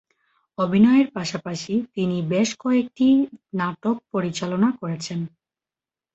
অভিনয়ের পাশাপাশি তিনি বেশ কয়েকটি নাটক পরিচালনা করেছেন।